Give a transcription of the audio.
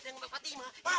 dan bawa fatima